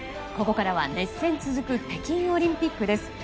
ここからは熱戦続く北京オリンピックです。